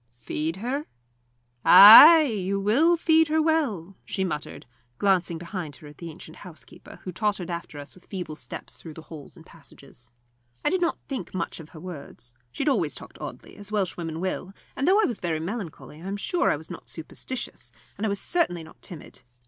"Feed her? Ay you will feed her well," she muttered, glancing behind her at the ancient housekeeper, who tottered after us with feeble steps through the halls and passages. I did not think much of her words. She had always talked oddly, as Welshwomen will, and though I was very melancholy I am sure I was not superstitious, and I was certainly not timid.